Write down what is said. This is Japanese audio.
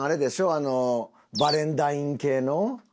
あのバレン大ン系の。